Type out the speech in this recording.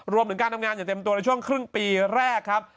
รวมถึงการทำงานอย่างเต็มตัวในช่วงครึ่งปีแรกครับ